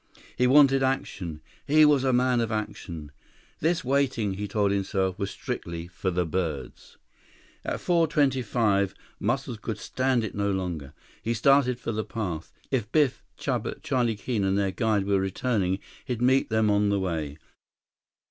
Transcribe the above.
He wanted action. He was a man of action. This waiting, he told himself, was strictly for the birds. At 4:25, Muscles could stand it no longer. He started for the path. If Biff, Chuba, Charlie Keene, and their guide were returning, he'd meet them on the way.